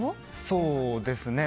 そうですね。